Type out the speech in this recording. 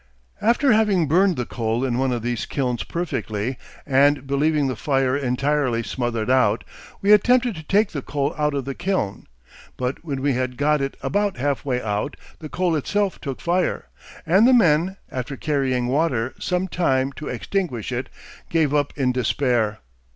After having burned the coal in one of these kilns perfectly, and believing the fire entirely smothered out, we attempted to take the coal out of the kiln; but when we had got it about half way out, the coal itself took fire, and the men, after carrying water some time to extinguish it, gave up in despair.